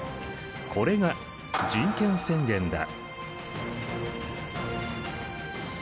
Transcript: これが人権宣言だ。